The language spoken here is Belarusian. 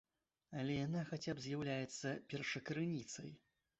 Але яна хаця б з'яўляецца першакрыніцай.